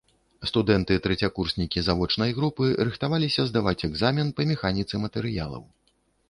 Студэнты-трэцякурснікі завочнай групы рыхтаваліся здаваць экзамен па механіцы матэрыялаў.